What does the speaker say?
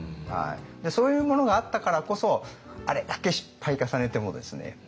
そういうものがあったからこそあれだけ失敗重ねてもですね